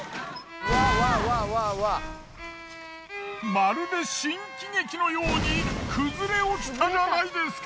まるで新喜劇のように崩れ落ちたじゃないですか！